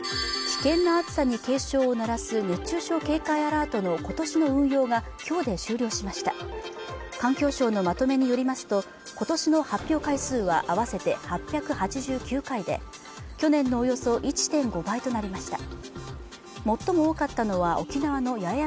危険な暑さに警鐘を鳴らす熱中症警戒アラートの今年の運用がきょうで終了しました環境省のまとめによりますとことしの発表回数は合わせて８８９回で去年のおよそ１．５倍となりました